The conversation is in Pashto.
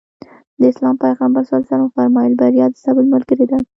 د اسلام پيغمبر ص وفرمايل بريا د صبر ملګرې ده.